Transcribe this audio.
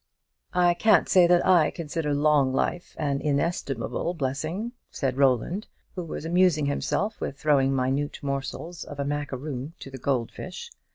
"I can't say that I consider long life an inestimable blessing," said Roland, who was amusing himself with throwing minute morsels of a macaroon to the gold fish.